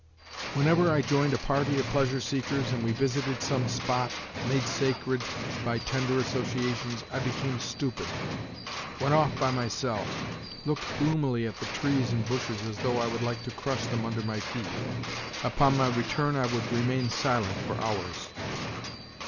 Whenever I joined a party of pleasure seekers and we visited some spot made sacred by tender associations I became stupid, went off by myself, looked gloomily at the trees and bushes as though I would like to crush them under my feet. Upon my return I would remain silent for hours.